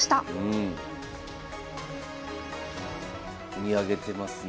見上げてますね